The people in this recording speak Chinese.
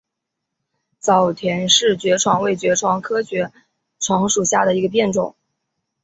早田氏爵床为爵床科爵床属下的一个变种。